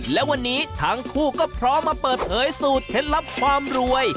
และวันนี้ทั้งคู่ก็พร้อมมาเปิดเผยสูตรเคล็ดลับความรวย